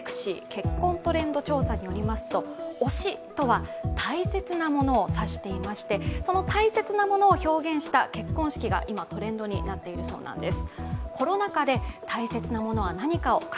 結婚トレンド調査によりますと推しとは大切なものを指していましてその大切なものを表現した結婚式が今トレンドになっているそうなんです。